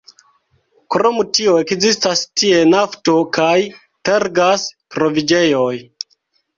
Krom tio ekzistas tie nafto- kaj tergas-troviĝejoj.